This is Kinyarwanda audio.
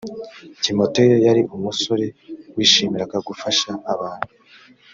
timoteyo yari umusore wishimiraga gufasha abantu